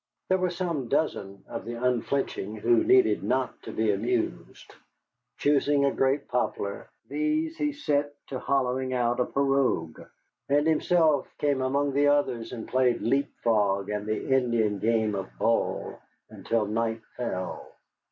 There were some dozen of the unflinching who needed not to be amused. Choosing a great poplar, these he set to hollowing out a pirogue, and himself came among the others and played leap frog and the Indian game of ball until night fell.